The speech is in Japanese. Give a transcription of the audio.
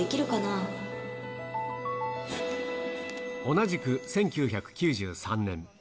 同じく１９９３年。